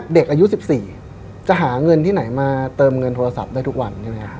เด็กอายุ๑๔จะหาเงินที่ไหนมาเติมเงินโทรศัพท์ได้ทุกวันใช่ไหมครับ